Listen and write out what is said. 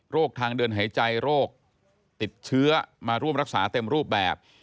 ทางเดินหายใจโรคติดเชื้อมาร่วมรักษาเต็มรูปแบบ